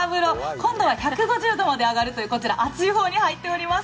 今度は１５０度まで上がるというあつい方に入っております。